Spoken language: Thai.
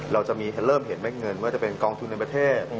เราจะเริ่มเห็นแม่เงินว่าจะเป็นกองทุนในประเทศ